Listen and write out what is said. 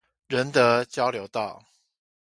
仁德交流道